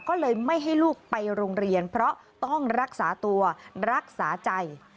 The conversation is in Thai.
ก็เลยไม่ให้ลูกไปโรงเรียนเพราะต้องรักษาตัวรักษาใจ